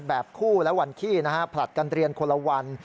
แบบคู่และวันขี้นะฮะผลัดกันเรียนคนละวัน